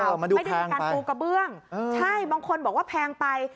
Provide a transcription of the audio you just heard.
เออมันดูแพงไปไม่ได้มีการตูกระเบื้องใช่บางคนบอกว่าแพงไป